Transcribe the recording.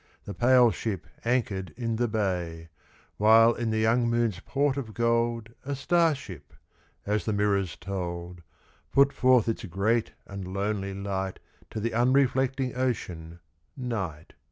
The pale ship anchored in the bay, While in the young moon's port of gold A star ship — as the mirrors told — Put forth its great and lonely light To the unreflecting Ocean, Night.